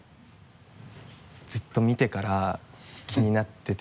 ずっと見てから気になってて。